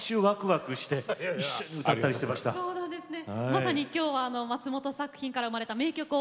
まさに今日は松本作品から生まれた名曲をお歌い頂きます。